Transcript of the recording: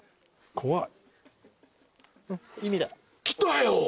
怖い。